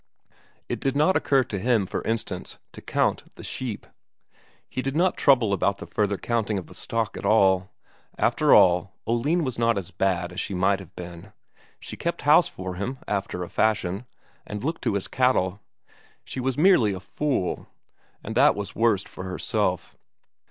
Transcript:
It did not occur to him, for instance, to count the sheep. He did not trouble about further counting of the stock at all. After all, Oline was not as bad as she might have been; she kept house for him after a fashion, and looked to his cattle; she was merely a fool, and that was worst for herself.